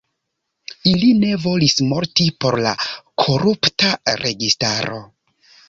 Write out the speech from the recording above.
Ili ne volis morti por la korupta registaro.